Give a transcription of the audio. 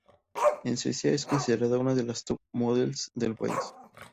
En Suecia, es considerada una de las top models del país.